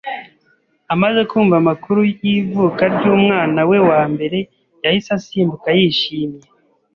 Amaze kumva amakuru y’ivuka ry’umwana we wa mbere, yahise asimbuka yishimye.